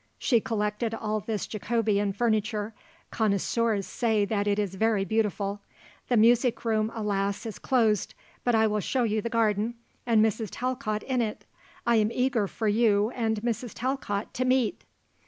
She collected all this Jacobean furniture; connoisseurs say that it is very beautiful. The music room, alas, is closed; but I will show you the garden and Mrs. Talcott in it. I am eager for you and Mrs. Talcott to meet."